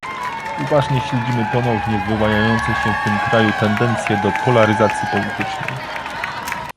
Uważnie śledzimy ponownie wyłaniające się w tym kraju tendencje do polaryzacji politycznej